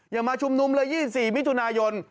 อย่ามาชุมนุมเลย๒๔มิถุนายน